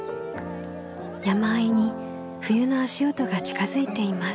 山あいに冬の足音が近づいています。